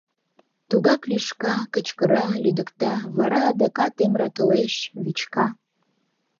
Тугак лӱшка, кычкыра, лӱдыкта, вара адакат эмратылеш, вӱчка...